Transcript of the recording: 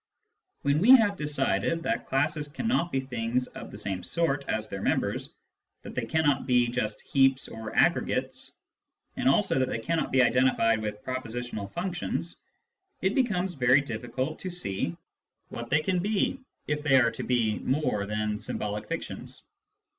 When we have decided that classes cannot be things of the same sort as their members, that they cannot be just heaps or aggregates, and also that they cannot be identified with pro positional functions, it becomes very difficult to see what they can be, if they are to be more than symbolic fictions.